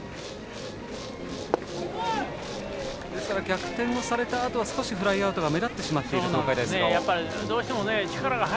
ですから、逆転されたあとはフライアウトが目立ってしまっている東海大菅生。